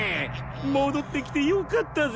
もどってきてよかったぜ。